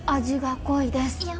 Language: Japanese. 味が濃いです。